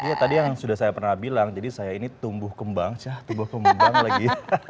iya tadi yang sudah saya pernah bilang jadi saya ini tumbuh kembang tumbuh kembang lagi